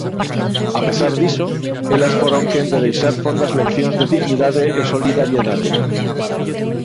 A pesar diso, elas foron quen de deixar fondas leccións de dignidade e solidariedade.